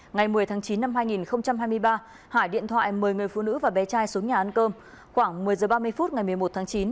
ngày một mươi tháng chín năm hai nghìn hai mươi ba hải điện thoại mời người phụ nữ và bé trai xuống nhà ăn cơm khoảng một mươi h ba mươi phút ngày một mươi một tháng chín